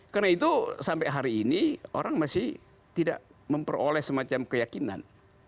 karena itu sampai hari ini orang masih tidak memperoleh semacam keyakinan